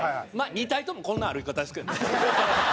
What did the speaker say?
２体ともこんな歩き方ですけど。